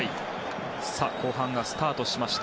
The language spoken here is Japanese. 後半がスタートしました。